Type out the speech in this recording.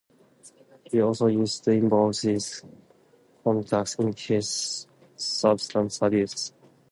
He also used to involve these contacts in his substance abuse.